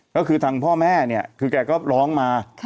แต่ขึ้นทางพ่อแม่เนี่ยคือแกก็ร้องมะ